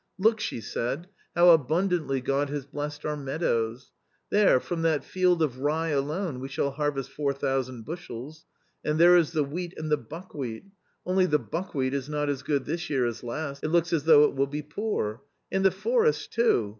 " Look !" she said, " how abundantly God has blessed our meadows ! There, from that field of rye alone we shall harvest four thousand bushels ; and there is the wheat and the buckwheat : only the buckwheat is not as good this year as last ; it looks as though it will be poor. And the forest too